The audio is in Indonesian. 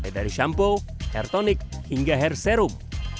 dari shampoo hair tonic hingga hair serum